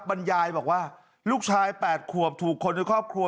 บรรยายบอกว่าลูกชาย๘ขวบถูกคนในครอบครัว